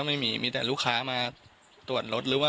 ฟังเสียงลูกจ้างรัฐตรเนธค่ะ